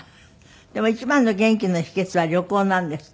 でも一番の元気の秘訣は旅行なんですって？